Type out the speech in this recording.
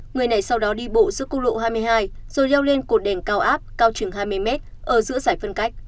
người này sau đó đi bộ giữa quốc lộ hai mươi hai rồi leo lên cột đèn cao áp cao chừng hai mươi mét ở giữa giải phân cách